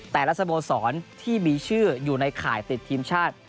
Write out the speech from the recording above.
สโมสรที่มีชื่ออยู่ในข่ายติดทีมชาติ